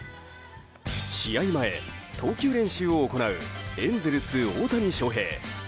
試合前、投球練習を行うエンゼルス大谷翔平。